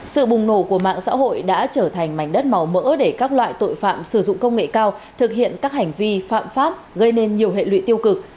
sự bùng nổ của mạng xã hội đã trở thành mảnh đất màu mỡ để các loại tội phạm sử dụng công nghệ cao thực hiện các hành vi phạm pháp gây nên nhiều hệ lụy tiêu cực